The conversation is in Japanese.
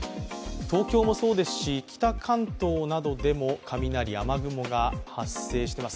東京もそうですし、北関東などでも雨雲が発生しています。